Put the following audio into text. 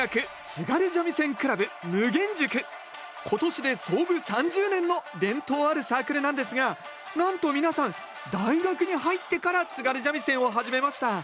今年で創部３０年の伝統あるサークルなんですがなんと皆さん大学に入ってから津軽三味線を始めました。